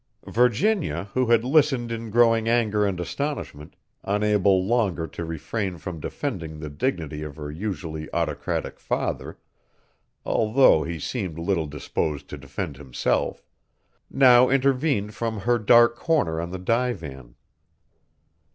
Virginia, who had listened in growing anger and astonishment, unable longer to refrain from defending the dignity of her usually autocratic father, although he seemed little disposed to defend himself, now intervened from her dark corner on the divan.